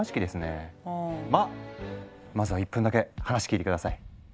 まあまずは１分だけ話聞いて下さい。